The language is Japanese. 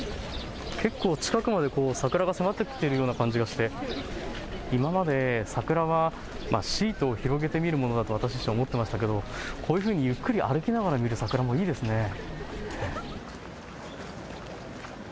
結構、近くまで桜が迫ってきているような感じがして今まで桜はシートを広げて見るものだと私たちは思っていましたがこういうふうにゆっくり歩きながら見る桜もいいですね。